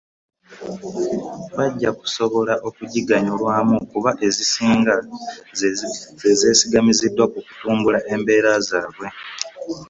Bajja kusobola okuziganyulwamu kuba ezisinga zeesigamiziddwa ku kutumbula embeera zaabwe